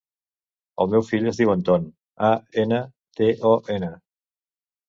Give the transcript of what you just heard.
El meu fill es diu Anton: a, ena, te, o, ena.